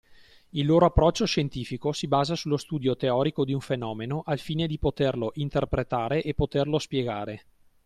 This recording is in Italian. Il loro approccio scientifico si basa sullo studio teorico di un fenomeno al fine di poterlo interpretare e poterlo spiegare